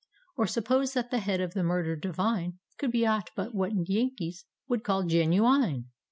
Or suppose that the head of the murdcr'd Divine Could be aught but what Yankees would call " genu ini?."